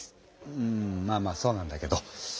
うんまあまあそうなんだけど。